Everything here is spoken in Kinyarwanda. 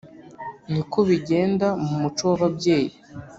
niko bigenda mu muco w’ababyeyi